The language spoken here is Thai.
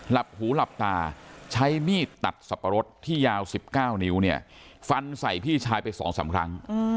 หลับหูหลับตาใช้มีดตัดสับปะรดที่ยาว๑๙นิ้วเนี่ยฟันใส่พี่ชายไป๒๓ครั้ง